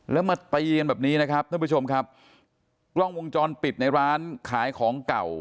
แล้วมาตีกันแบบนี้นะครับท่านผู้ชมครับกล้องวงจรปิดในร้านขายของเก่า